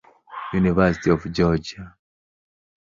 University of Georgia.